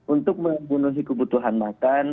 untuk memenuhi kebutuhan makan